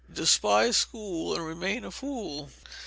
[DESPISE SCHOOL AND REMAIN A FOOL.